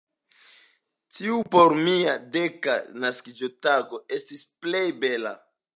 Tiu por mia deka naskiĝtago estis la plej bela.